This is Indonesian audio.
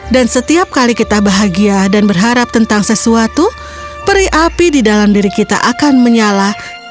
dan setiap kali kita bahagia dan berharap tentang sesuatu peri api di dalam diri kita akan menyala